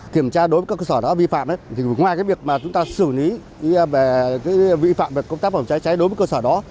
kiểm tra đối với các cơ sở đó vi phạm ngoài việc chúng ta xử lý về công tác phòng cháy chữa cháy đối với cơ sở đó